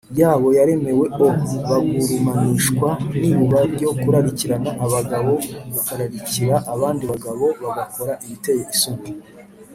yabo yaremewe o bagurumanishwa n iruba ryo kurarikirana abagabo bakararikira abandi bagabo bagakora ibiteye isoni